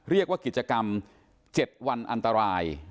เรียกว่ากิจกรรม๗วันอันตราย